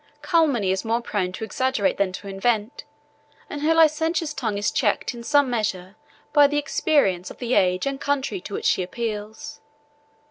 Calumny is more prone to exaggerate than to invent; and her licentious tongue is checked in some measure by the experience of the age and country to which she appeals.